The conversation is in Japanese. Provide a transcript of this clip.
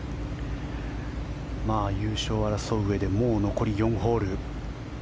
優勝を争ううえでもう残り４ホール。